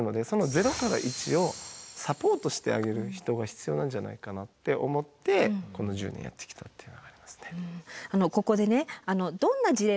その０から１をサポートしてあげる人が必要なんじゃないかなって思ってこの１０年やってきたっていうのがありますね。